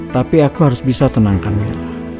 tapi aku harus bisa tenangkan mil